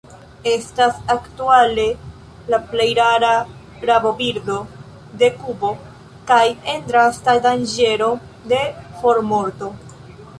Estas aktuale la plej rara rabobirdo de Kubo, kaj en drasta danĝero de formorto.